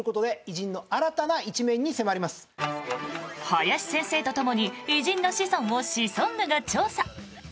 林先生とともに、偉人の子孫をシソンヌが調査！